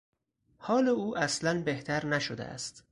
حال او اصلا بهتر نشده است.